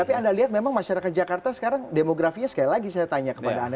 tapi anda lihat memang masyarakat jakarta sekarang demografinya sekali lagi saya tanya kepada anda